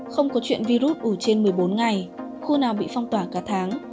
không có chuyện virus ủ trên một mươi bốn ngày khu nào bị phong tỏa cả tháng